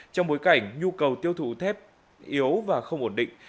trong bối cảnh nhu cầu tiêu thụ thép yếu và không ổn định